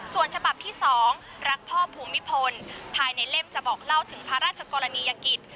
ส่วนฉบับที่๒รักพ่อภูมิพลภายในเล่มจะบอกเล่าถึงพระราชกรณียกิจ